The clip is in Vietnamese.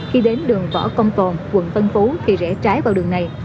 khi đến đường võ công tồn quận tân phú thì rẽ trái vào đường này